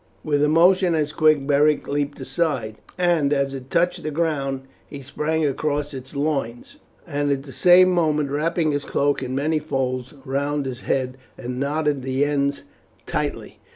With a motion as quick Beric leaped aside, and as it touched the ground he sprang across its loins, at the same moment wrapping his cloak in many folds round its head, and knotting the ends tightly.